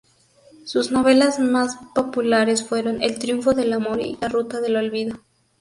Sus novelas más populares fueron, "El triunfo del Amor" y "La ruta del olvido".